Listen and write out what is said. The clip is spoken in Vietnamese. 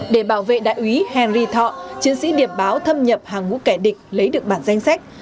để bảo vệ đại úy henry thọ chiến sĩ điệp báo thâm nhập hàng ngũ kẻ địch lấy được bản danh sách